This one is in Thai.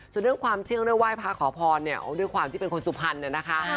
ส่วนเรื่องความเชื่อเรื่องไหว้พระขอพรเนี่ยด้วยความที่เป็นคนสุพรรณเนี่ยนะคะ